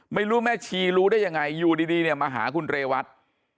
แม่ชีรู้ได้ยังไงอยู่ดีเนี่ยมาหาคุณเรวัต